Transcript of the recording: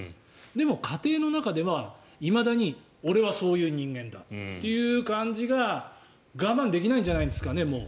でも、家庭の中では、いまだに俺はそういう人間だっていう感じが我慢できないんじゃないんですかね、もう。